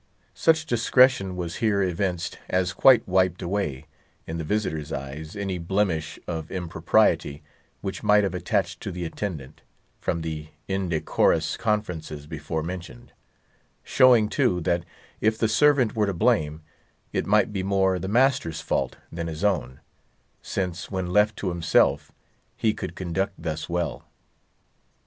Such discretion was here evinced as quite wiped away, in the visitor's eyes, any blemish of impropriety which might have attached to the attendant, from the indecorous conferences before mentioned; showing, too, that if the servant were to blame, it might be more the master's fault than his own, since, when left to himself, he could conduct thus well.